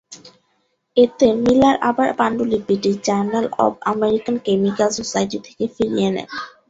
এতে, মিলার আবার পাণ্ডুলিপিটি journal of American chemical society থেকে ফিরিয়ে নেন।